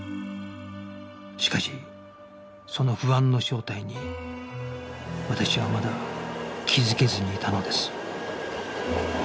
しかしその不安の正体に私はまだ気づけずにいたのです